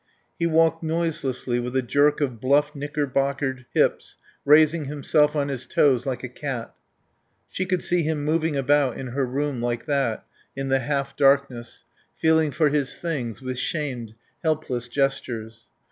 He walked noiselessly, with a jerk of bluff knickerbockered hips, raising himself on his toes like a cat. She could see him moving about in her room, like that, in the half darkness, feeling for his things, with shamed, helpless gestures.